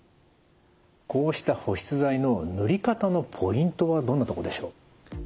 こうした保湿剤の塗り方のポイントはどんなとこでしょう？